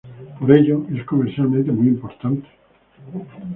Por ello es comercialmente muy importante.